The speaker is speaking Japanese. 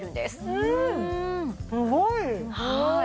うんすごい！